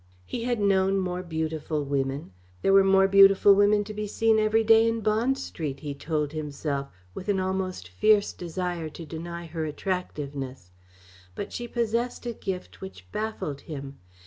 He had known more beautiful women. There were more beautiful women to be seen every day in Bond Street, he told himself, with an almost fierce desire to deny her attractiveness, but she possessed a gift which baffled him.